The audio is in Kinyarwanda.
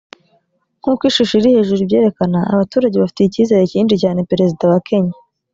nk uko ishusho iri hejuru ibyerekana abaturage bafitiye icyizere cyinshi cyane perezida wa kenya